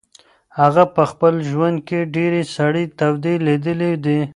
هغه په خپل ژوند کې ډېرې سړې تودې لیدلې دي.